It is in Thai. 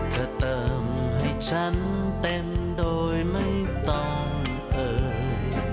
เติมให้ฉันเต็มโดยไม่ต้องเอ่ย